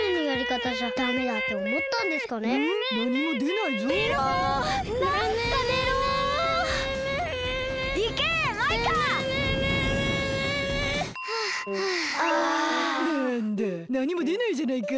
なんだなにもでないじゃないか。